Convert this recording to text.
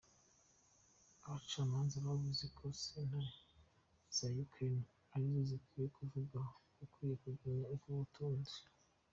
Abacamanza bavuze ko sentare za Ukraine ari zo zikwiye kuvuga uwukwiye kugumya ubwo butunzi.